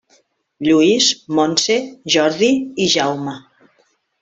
Lluís, Montse, Jordi i Jaume.